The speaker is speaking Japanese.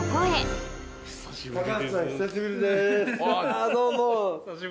お久しぶりです。